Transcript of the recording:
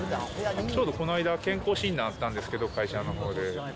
ちょうどこの間、健康診断あったんですけど、会社のほうで。